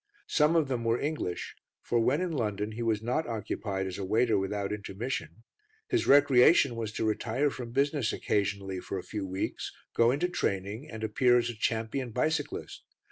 Some of them were English, for when in London he was not occupied as a waiter without intermission; his recreation was to retire from business occasionally for a few weeks, go into training and appear as a champion bicyclist.